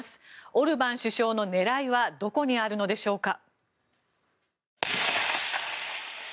オルバン首相の狙いはどこにあるのでしょうか。